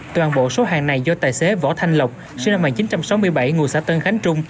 toàn bộ số hàng này do tài xế võ thanh lộc sinh năm một nghìn chín trăm sáu mươi bảy ngụ xã tân khánh trung